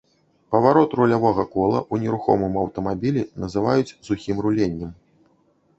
Паварот рулявога кола ў нерухомым аўтамабілі называюць сухім руленнем.